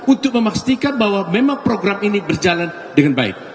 untuk memastikan bahwa memang program ini berjalan dengan baik